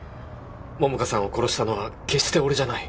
桃花さんを殺したのは決して俺じゃない。